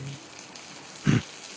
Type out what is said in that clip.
うん？